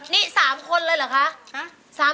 นี่๓คนเลยเหรอคะ